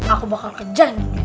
aku bakal kejarin